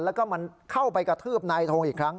แล้วก็มันเข้าไปกระทืบนายทงอีกครั้ง